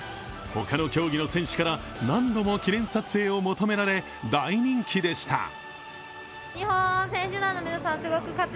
他の競技の選手から、何度も記念撮影を求められ、大人気でした。